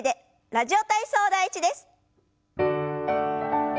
「ラジオ体操第１」です。